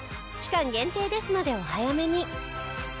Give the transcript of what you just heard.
期間限定ですのでお早めに。